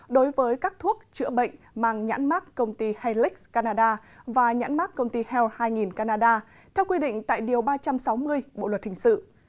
đối với các thuốc chữa bệnh mang nhãn mác công ty helix canada và nhãn mác công ty health hai nghìn canada theo quy định tại điều ba trăm sáu mươi bộ luật hình sự